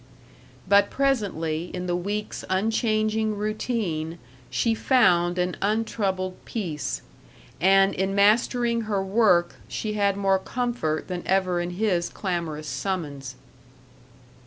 But presently in the week's unchanging routine she found an untroubled peace; and in mastering her work she had more comfort than ever in his clamorous summons.